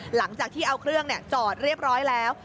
หลังจากที่เอาเครื่องจอดเรียบร้อยแล้ว